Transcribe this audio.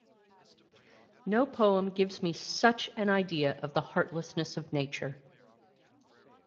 No poem gives me such an idea of the heartlessness of Nature.